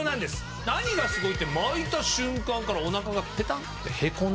何がすごいって巻いた瞬間からおなかがぺたんってへこんじゃうんです。